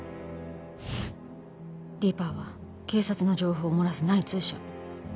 「リーパーは警察の情報を漏らす内通者」